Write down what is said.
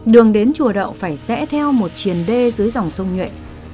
đường đến chùa đậu phải rẽ theo một triền đê dưới dòng sông nhuệ